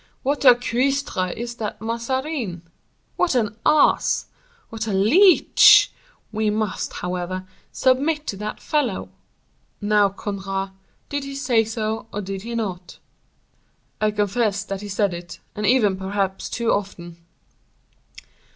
'What a cuistre is that Mazarin! what an ass! what a leech! We must, however, submit to that fellow.' Now, Conrart, did he say so, or did he not?" "I confess that he said it, and even perhaps too often."